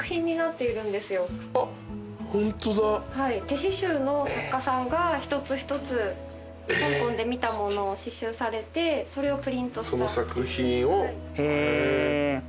手刺しゅうの作家さんが一つ一つ香港で見たものを刺しゅうされてそれをプリントした。